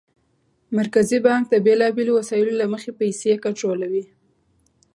مرکزي بانک د بېلابېلو وسایلو له مخې پیسې کنټرولوي.